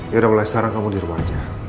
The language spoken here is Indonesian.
yaudah mulai sekarang kamu di rumah aja